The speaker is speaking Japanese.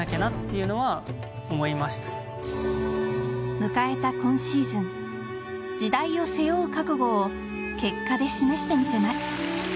迎えた今シーズン時代を背負う覚悟を結果で示してみせます。